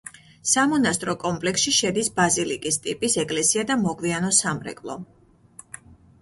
სამონასტრო კომპლექსში შედის ბაზილიკის ტიპის ეკლესია და მოგვიანო სამრეკლო.